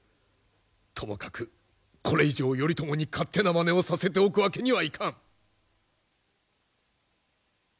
ともかくこれ以上頼朝に勝手なまねをさせておくわけにはいかん！